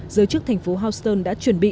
giới chức thành phố houston đã chuẩn bị